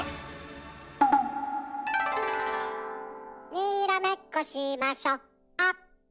「にらめっこしましょあっぷっぷ」